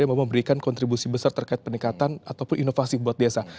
yang mau memberikan kontribusi besar terkait peningkatan ataupun inovasi buat desa